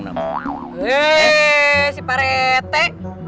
heeh si pak rete